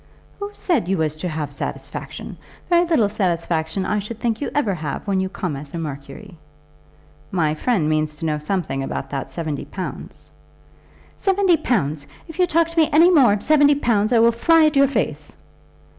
"Who said you was to have satisfaction? Very little satisfaction I should think you ever have, when you come as a Mercury." "My friend means to know something about that seventy pounds." "Seventy pounds! If you talk to me any more of seventy pounds, I will fly at your face."